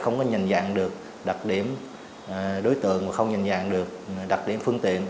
không có nhìn dạng được đặc điểm đối tượng không nhìn dạng được đặc điểm phương tiện